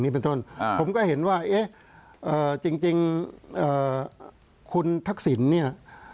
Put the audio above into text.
ผมก็เห็นว่าเอ๊ะจริงคุณทักษิณเนี่ย